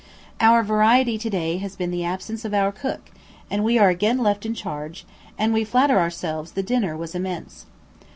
Our variety to day has been the absence of our cook, and we are again left in charge, and we flatter ourselves the dinner was "immense."